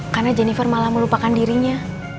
karena jennifer malah melupakan dirinya